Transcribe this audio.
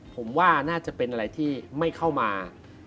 ผมว่าน่าจะเป็นอะไรที่ไม่เข้ามา